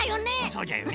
そうじゃよね。